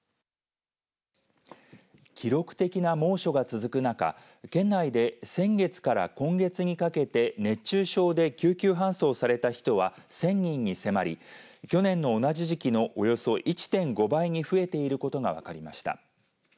記録的な猛暑が続く中県内で先月から今月にかけて熱中症で救急搬送された人は１０００人に迫り去年の同じ時期のおよそ１．５倍に増えていることが分かりました。